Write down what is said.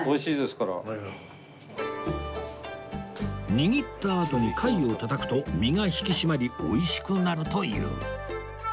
握ったあとに貝をたたくと身が引き締まり美味しくなるという